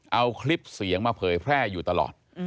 เอาคลิปเสียงมาเผยแพร่อยู่ตลอด